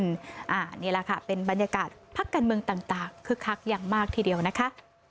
นี่แหละค่ะเป็นบรรยากาศพักการเมืองต่างคึกคักอย่างมากทีเดียวนะคะ